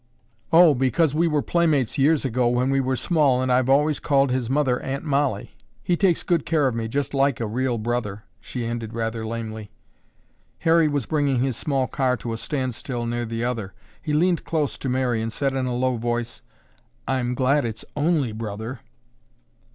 '" "Oh, because we were playmates years ago when we were small and I've always called his mother 'Aunt Mollie.' He takes good care of me just like a real brother," she ended rather lamely. Harry was bringing his small car to a standstill near the other. He leaned close to Mary and said in a low voice, "I'm glad it's only brother."